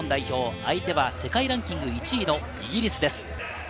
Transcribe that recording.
相手は世界ランキング１位のイギリスです。